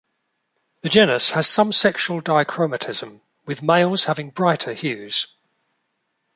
The genus has some sexual dichromatism, with males having brighter hues.